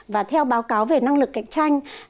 và theo báo cáo về năng lực cạnh tranh